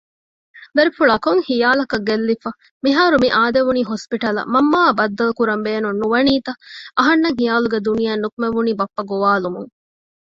ދަރިފުޅާ ކޮންހިޔާލަކަށް ގެއްލިފަ! މިހާރުމިއާދެވުނީ ހޮސްޕިޓަލަށް މަންމައާއި ބައްދަލުކުރަން ބޭނުންނުވަނީތަ؟ އަހަންނަށް ހިޔާލުގެ ދުނިޔެއިން ނިކުމެވުނީ ބައްޕަ ގޮވާލުމުން